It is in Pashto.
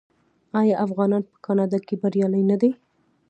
آیا افغانان په کاناډا کې بریالي نه دي؟